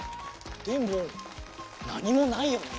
でもなにもないよね。